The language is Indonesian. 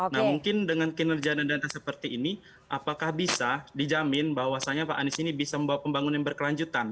nah mungkin dengan kinerjaan dan dana seperti ini apakah bisa dijamin bahwa pak anies ini bisa membawa pembangunan berkelanjutan